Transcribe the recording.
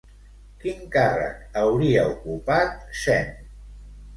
Quin càrrec hauria ocupat Sem?